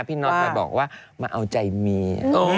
พี่นท์ก็บอกว่ามาเอาใจมี